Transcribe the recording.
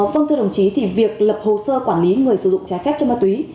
vâng thưa đồng chí thì việc lập hồ sơ quản lý người sử dụng trái phép chất ma túy